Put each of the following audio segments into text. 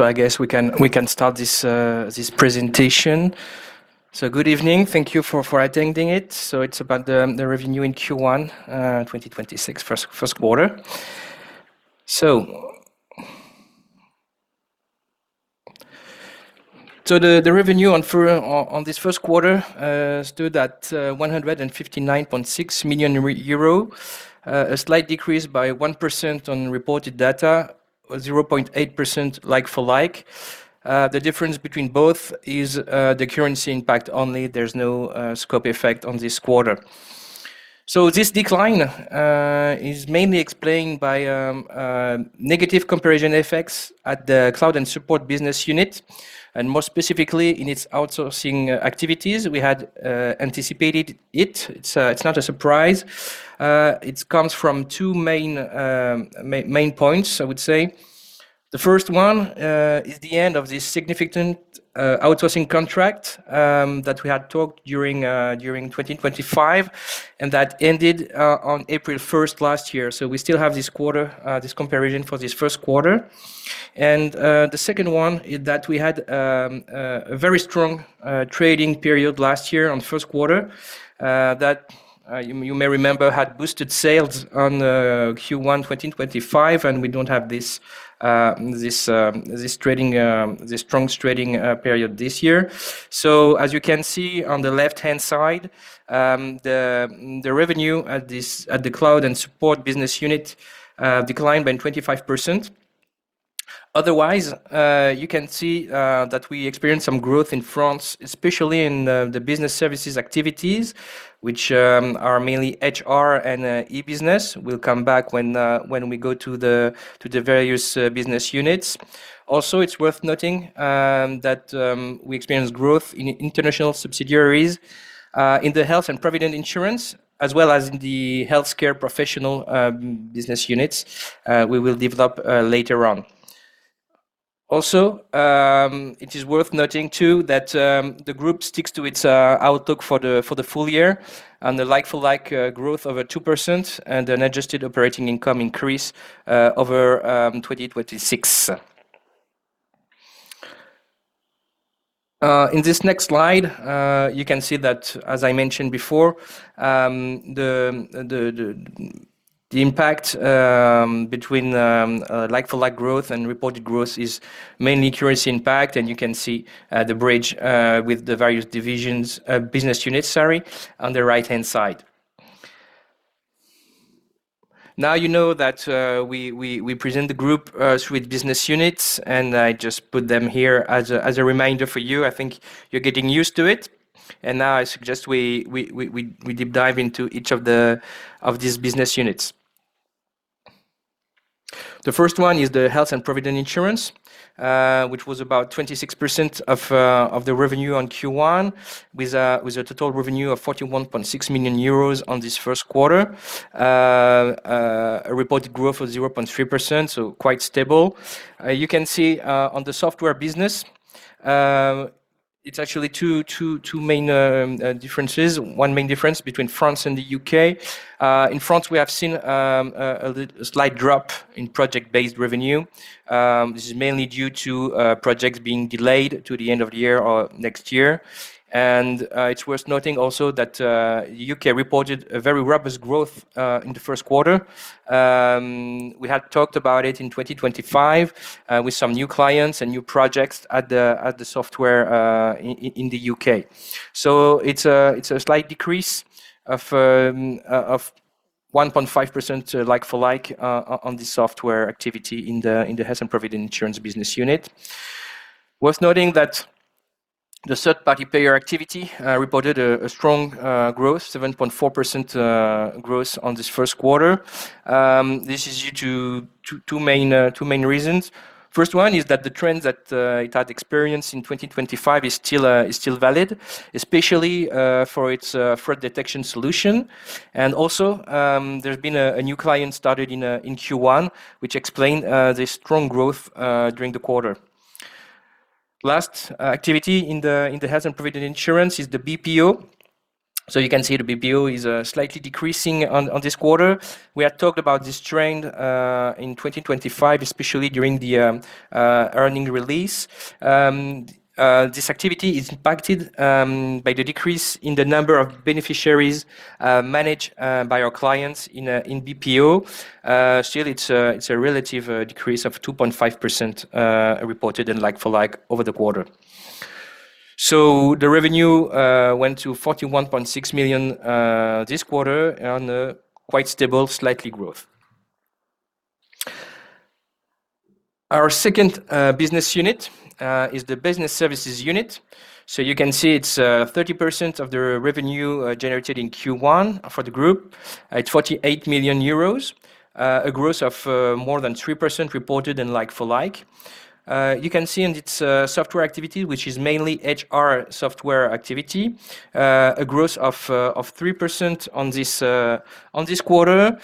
I guess we can start this presentation. Good evening. Thank you for attending it. It's about the revenue in Q1 2026, first quarter. The revenue on this first quarter stood at 159.6 million euro. A slight decrease by 1% on reported data, 0.8% like-for-like. The difference between both is the currency impact only. There's no scope effect on this quarter. This decline is mainly explained by negative comparison effects at the cloud and support business unit, and more specifically in its outsourcing activities. We had anticipated it. It's not a surprise. It comes from two main points, I would say. The first one is the end of this significant outsourcing contract that we had talked during 2025, and that ended on April 1st last year. We still have this quarter, this comparison for this first quarter. The second one is that we had a very strong trading period last year on first quarter, that you may remember, had boosted sales on Q1 2025, and we don't have this strong trading period this year. As you can see on the left-hand side, the revenue at the cloud and support business unit declined by 25%. Otherwise, you can see that we experienced some growth in France, especially in the business services activities, which are mainly HR and e-business. We'll come back when we go to the various business units. Also, it's worth noting that we experienced growth in international subsidiaries in the health and provident insurance, as well as in the healthcare professional business units we will develop later on. Also, it is worth noting too that the group sticks to its outlook for the full year on the like-for-like growth over 2% and an adjusted operating income increase over 2026. In this next slide, you can see that, as I mentioned before, the impact between like-for-like growth and reported growth is mainly currency impact. You can see the bridge with the various divisions, business units, sorry, on the right-hand side. Now you know that we present the group with business units, and I just put them here as a reminder for you. I think you're getting used to it. Now I suggest we deep dive into each of these business units. The first one is the health and provident insurance, which was about 26% of the revenue on Q1, with a total revenue of 41.6 million euros on this first quarter. A reported growth of 0.3%, so quite stable. You can see on the software business, it's actually two main differences. One main difference between France and the U.K. In France, we have seen a slight drop in project-based revenue. This is mainly due to projects being delayed to the end of the year or next year. It's worth noting also that U.K. reported a very robust growth in the first quarter. We had talked about it in 2025 with some new clients and new projects at the software in the U.K. It's a slight decrease of 1.5% like-for-like on the software activity in the health and provident insurance business unit. It's worth noting that the third-party payer activity reported a strong growth, 7.4% growth on this first quarter. This is due to two main reasons. First one is that the trends that it had experienced in 2025 is still valid, especially for its fraud detection solution. There's been a new client started in Q1, which explained this strong growth during the quarter. Last activity in the health and provident insurance is the BPO. You can see the BPO is slightly decreasing on this quarter. We had talked about this trend in 2025, especially during the earnings release. This activity is impacted by the decrease in the number of beneficiaries managed by our clients in BPO. Still, it's a relative decrease of 2.5% reported in like-for-like over the quarter. The revenue went to 41.6 million this quarter on a quite stable, slight growth. Our second business unit is the business services unit. You can see it's 30% of the revenue generated in Q1 for the group at 48 million euros. A growth of more than 3% reported in like-for-like. You can see in its software activity, which is mainly HR software activity, a growth of 3% on this quarter.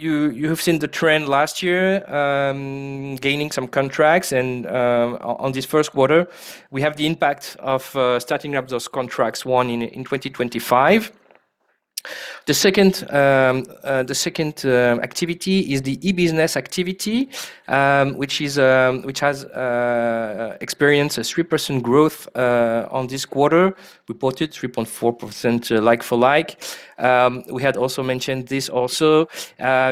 You have seen the trend last year, gaining some contracts. On this first quarter, we have the impact of starting up those contracts won in 2025. The second activity is the e-business activity, which has experienced a 3% growth on this quarter, reported 3.4% like-for-like. We had also mentioned this also,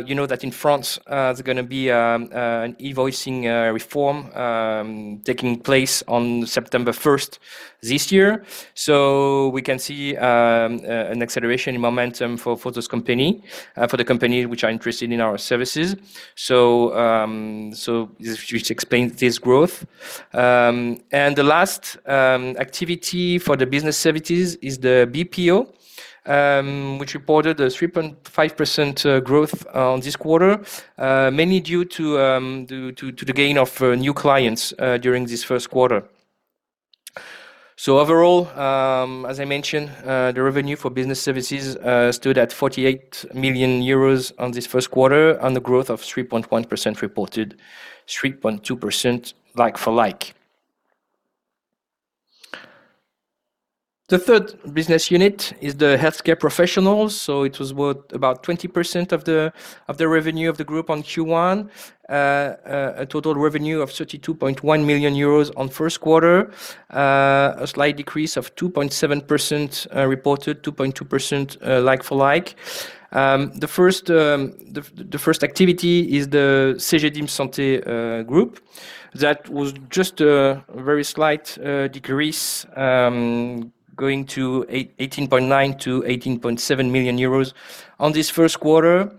you know that in France, there's going to be an e-invoicing reform taking place on September 1st this year. We can see an acceleration in momentum for those company, for the company which are interested in our services. Which explains this growth. The last activity for the business services is the BPO, which reported a 3.5% growth on this quarter, mainly due to the gain of new clients during this first quarter. Overall, as I mentioned, the revenue for business services stood at 48 million euros on this first quarter on the growth of 3.1% reported, 3.2% like-for-like. The third business unit is the healthcare professionals. It was worth about 20% of the revenue of the group on Q1, a total revenue of 32.1 million euros on first quarter, a slight decrease of 2.7% reported, 2.2% like-for-like. The first activity is the Cegedim Santé group. That was just a very slight decrease, going to 18.9 million to 18.7 million euros on this first quarter.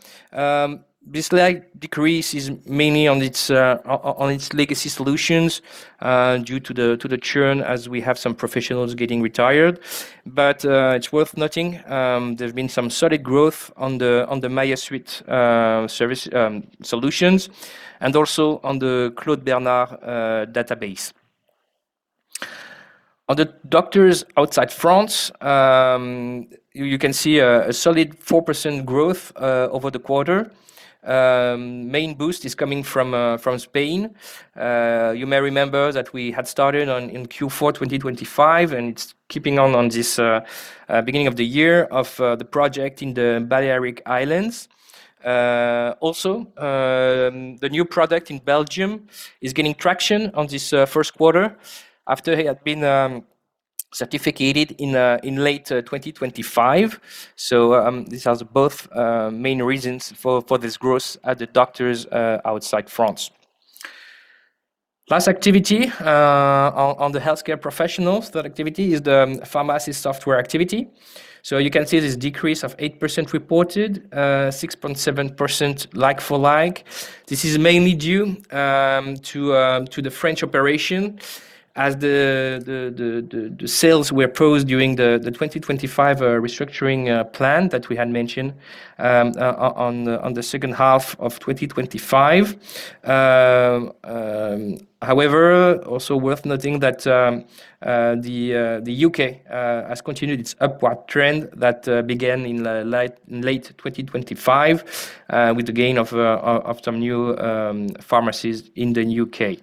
This slight decrease is mainly on its legacy solutions due to the churn as we have some professionals getting retired. It's worth noting there's been some solid growth on the Maiia Suite solutions and also on the Claude Bernard database. On the doctors outside France, you can see a solid 4% growth over the quarter. Main boost is coming from Spain. You may remember that we had started in Q4 2025, and it's keeping on this beginning of the year of the project in the Balearic Islands. Also, the new product in Belgium is gaining traction on this first quarter after it had been certified in late 2025. This has both main reasons for this growth at the doctors outside France. Last activity on the healthcare professionals, third activity, is the pharmacy software activity. You can see this decrease of 8% reported, 6.7% like-for-like. This is mainly due to the French operation as the sales were paused during the 2025 restructuring plan that we had mentioned on the second half of 2025. However, also worth noting that the U.K. has continued its upward trend that began in late 2025 with the gain of some new pharmacies in the U.K.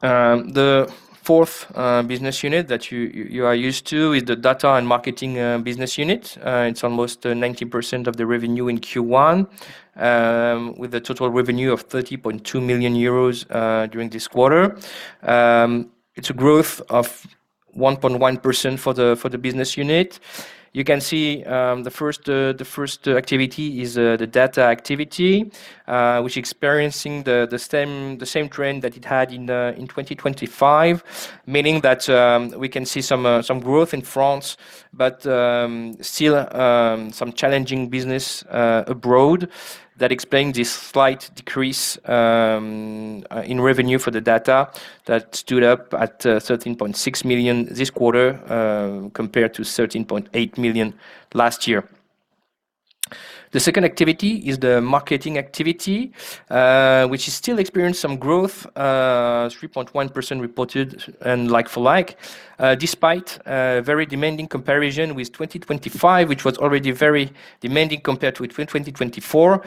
The fourth business unit that you are used to is the data and marketing business unit. It's almost 90% of the revenue in Q1, with a total revenue of 30.2 million euros during this quarter. It's a growth of 1.1% for the business unit. You can see the first activity is the data activity, which experiencing the same trend that it had in 2025. Meaning that we can see some growth in France, but still some challenging business abroad that explain this slight decrease in revenue for the data that stood up at 13.6 million this quarter compared to 13.8 million last year. The second activity is the marketing activity, which has still experienced some growth, 3.1% reported and like-for-like, despite a very demanding comparison with 2025, which was already very demanding compared to 2024.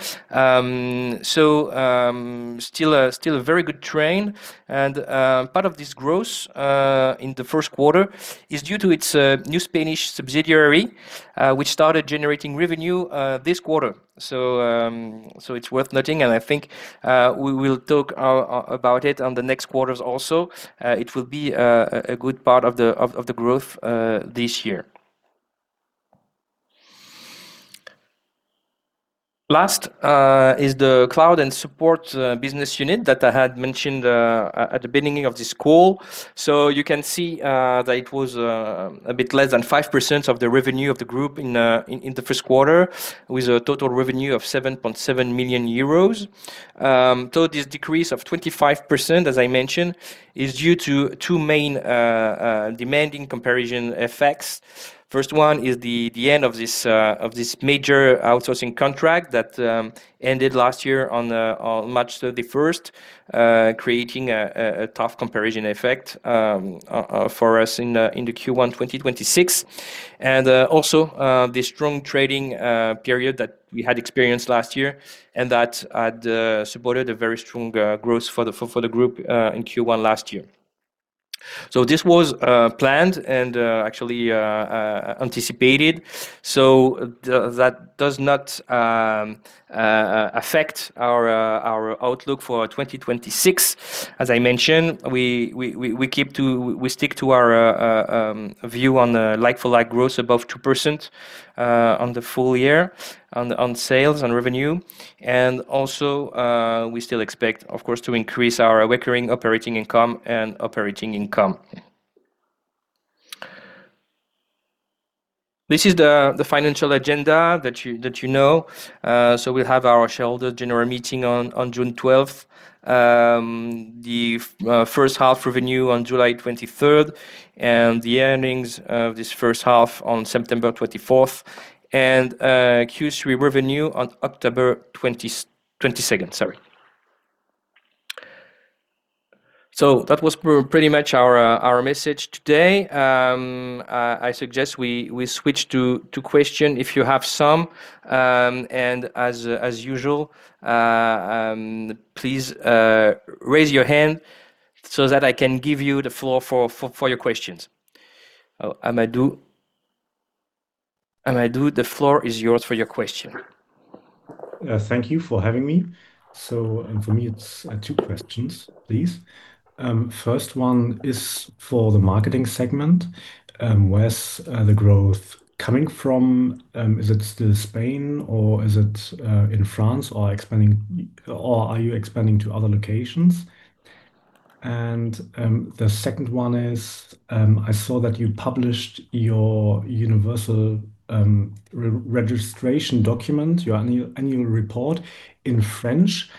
Still a very good trend. Part of this growth in the first quarter is due to its new Spanish subsidiary, which started generating revenue this quarter. It's worth noting, and I think we will talk about it on the next quarters also. It will be a good part of the growth this year. Last is the cloud and support business unit that I had mentioned at the beginning of this call. You can see that it was a bit less than 5% of the revenue of the group in the first quarter, with a total revenue of 7.7 million euros. Though this decrease of 25%, as I mentioned, is due to two main daunting comparison effects. First one is the end of this major outsourcing contract that ended last year on March 31st, creating a tough comparison effect for us in the Q1 2026. Also the strong trading period that we had experienced last year and that had supported a very strong growth for the group in Q1 last year. This was planned and actually anticipated, so that does not affect our outlook for 2026. As I mentioned, we stick to our view on the like-for-like growth above 2% on the full year on sales and revenue. Also, we still expect, of course, to increase our recurring operating income and operating income. This is the financial agenda that you know. We'll have our shareholder general meeting on June 12th, the first half revenue on July 23rd, and the earnings of this first half on September 24th, and Q3 revenue on October 22nd. That was pretty much our message today. I suggest we switch to questions if you have some. As usual, please raise your hand so that I can give you the floor for your questions. Amadou, the floor is yours for your question. Thank you for having me. For me, it's two questions, please. First one is for the marketing segment. Where's the growth coming from? Is it still Spain, or is it in France, or are you expanding to other locations? The second one is, I saw that you published your Universal Registration Document, your annual report in French.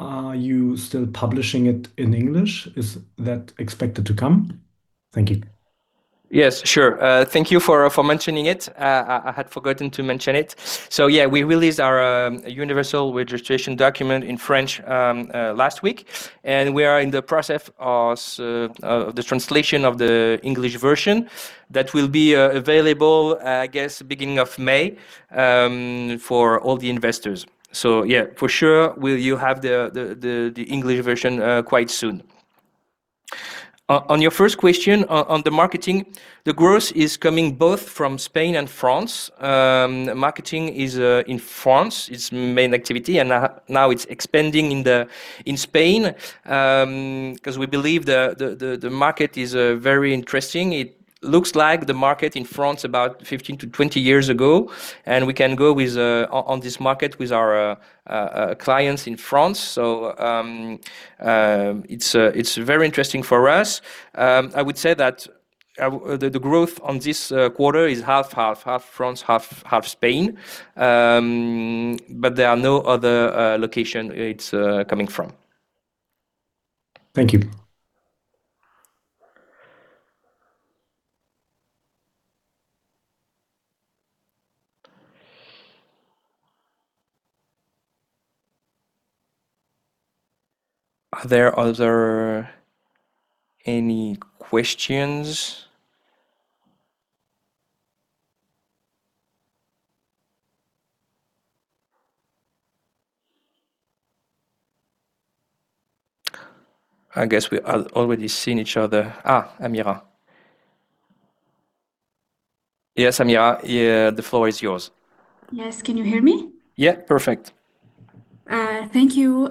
Are you still publishing it in English? Is that expected to come? Thank you. Yes, sure. Thank you for mentioning it. I had forgotten to mention it. We released our Universal Registration Document in French last week, and we are in the process of the translation of the English version that will be available, I guess, beginning of May for all the investors. For sure, you'll have the English version quite soon. On your first question on the marketing, the growth is coming both from Spain and France. Marketing is in France, its main activity, and now it's expanding in Spain, because we believe the market is very interesting. It looks like the market in France about 15-20 years ago, and we can go on this market with our clients in France. It's very interesting for us. I would say that the growth on this quarter is half France, half Spain. There are no other locations it's coming from. Thank you. Are there any other questions? I guess we have already seen each other. Amira. Yes, Amira, the floor is yours. Yes, can you hear me? Yeah, perfect. Thank you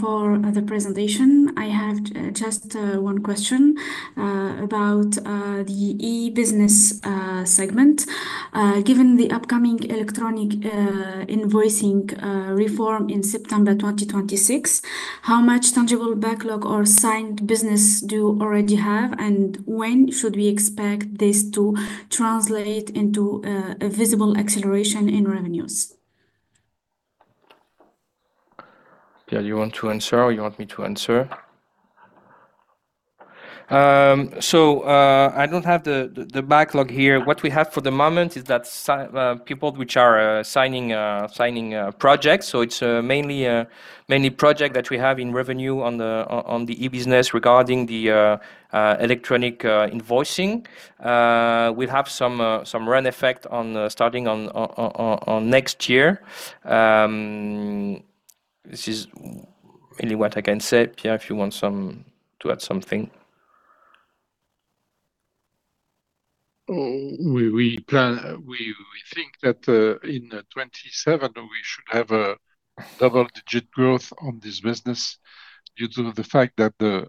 for the presentation. I have just one question about the e-business segment. Given the upcoming electronic invoicing reform in September 2026, how much tangible backlog or signed business do you already have? When should we expect this to translate into a visible acceleration in revenues? Pierre, you want to answer or you want me to answer? I don't have the backlog here. What we have for the moment is that people which are signing projects. It's mainly project that we have in revenue on the e-business regarding the electronic invoicing. We'll have some run effect starting on next year. This is really what I can say. Pierre, if you want to add something. We think that in 2027, we should have a double-digit growth on this business due to the fact that the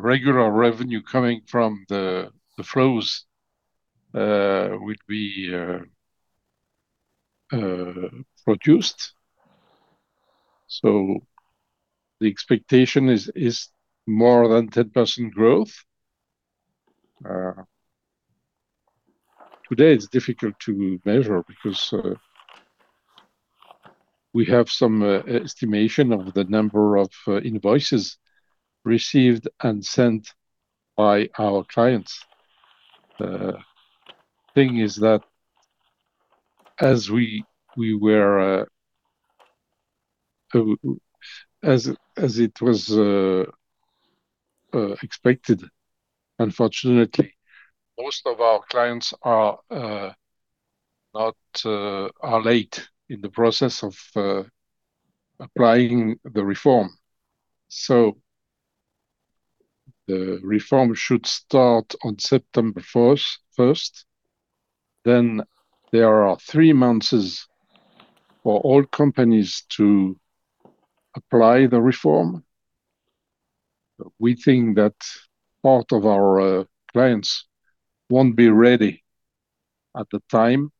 regular revenue coming from the flows will be produced. The expectation is more than 10% growth. Today, it's difficult to measure because we have some estimation of the number of invoices received and sent by our clients. The thing is that as it was expected, unfortunately, most of our clients are late in the process of applying the reform. The reform should start on September 1st. Then there are three months for all companies to apply the reform. We think that part of our clients won't be ready at the time,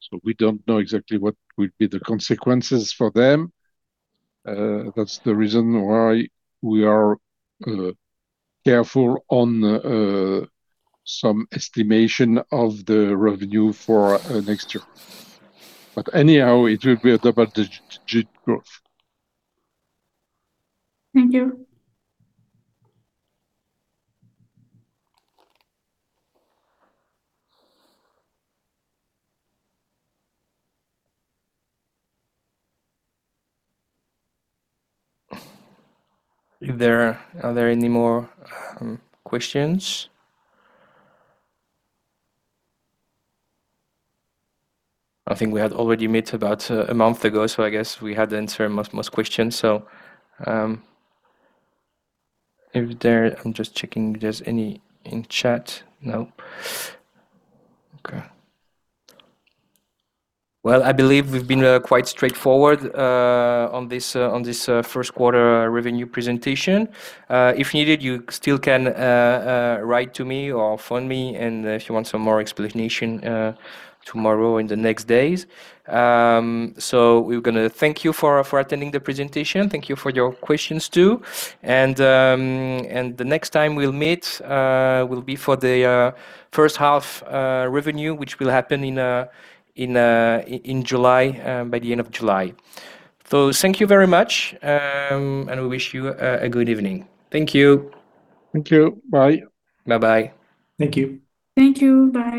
so we don't know exactly what will be the consequences for them. That's the reason why we are careful on some estimation of the revenue for next year. Anyhow, it will be a double-digit growth. Thank you. Are there any more questions? I think we had already met about a month ago, so I guess we had answered most questions. I'm just checking if there's any in chat. No. Okay. Well, I believe we've been quite straightforward on this first quarter revenue presentation. If needed, you still can write to me or phone me, and if you want some more explanation tomorrow in the next days. We're going to thank you for attending the presentation. Thank you for your questions, too. The next time we'll meet will be for the first half revenue, which will happen by the end of July. Thank you very much, and we wish you a good evening. Thank you. Thank you. Bye. Bye-bye. Thank you. Thank you. Bye.